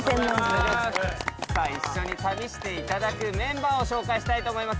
一緒に旅していただくメンバーを紹介したいと思います。